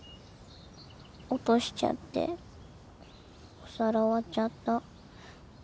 落としちゃってお皿割っちゃった。